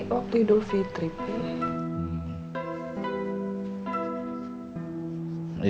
waktu hidup fitri